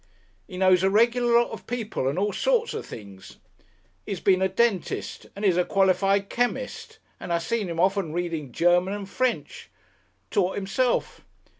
"He knows a regular lot of people, and all sorts of things. He's been a dentist, and he's a qualified chemist, an' I seen him often reading German and French. Taught 'imself.